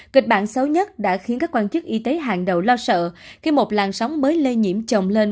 kịch bản xấu nhất đã khiến các quan chức y tế hàng đầu lo sợ khi một làn sóng mới lây nhiễm chồng lên